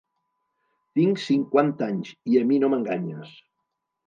Tinc cinquanta anys, i a mi no m'enganyes.